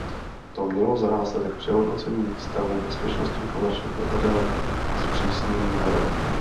To mělo za následek přehodnocení stavu bezpečnosti komerčních letadel a zpřísnění norem.